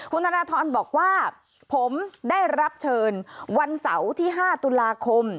คุณธนทรบอกว่าผมได้รับเชิญวันเสาร์ที่๕ตุลาคม